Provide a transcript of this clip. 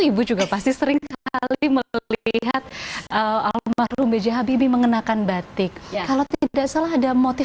ibu juga pasti sering melihat almarhum jahabibi mengenakan batik kalau tidak salah ada motif